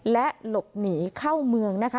และหลบหนีเข้าเมืองนะคะ